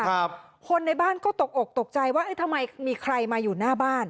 คนในบ้านก็ตกอกตกใจว่าเอ๊ะทำไมมีใครมาอยู่หน้าบ้าน